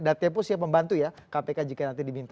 dan tmpo siap membantu ya kpk jika nanti diminta